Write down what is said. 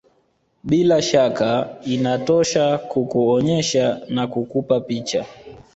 Bila shaka inatosha kukuonyesha na kukupa picha